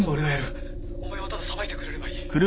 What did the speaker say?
お前はたださばいてくれればいい。